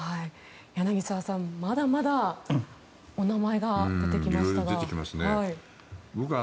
柳澤さん、まだまだお名前が出てきましたが。